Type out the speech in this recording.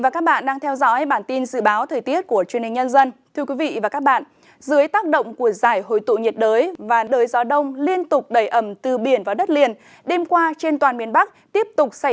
các bạn hãy đăng ký kênh để ủng hộ kênh của chúng mình nhé